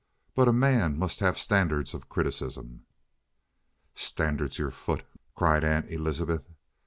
But a man must have standards of criticism." "Standards your foot!" cried Aunt Elizabeth.